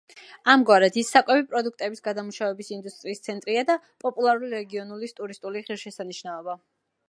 ამგვარად, ის საკვები პროდუქტების გადამუშავების ინდუსტრიის ცენტრია და პოპულარული რეგიონული ტურისტული ღირსშესანიშნაობა.